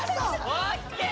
オーケー！